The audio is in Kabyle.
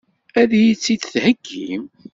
Ad iyi-t-id-theggim?